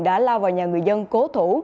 đã lao vào nhà người dân cố thủ